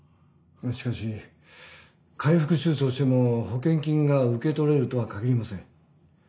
しかし開腹手術をしても保険金が受け取れるとは限りません。